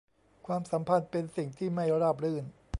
ความสัมพันธ์เป็นสิ่งที่ไม่ราบรื่น